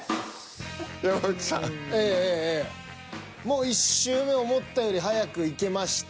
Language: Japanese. もう１周目思ったより速くいけました。